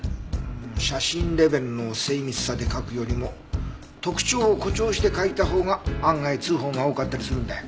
写真レベルの精密さで描くよりも特徴を誇張して描いたほうが案外通報が多かったりするんだよ。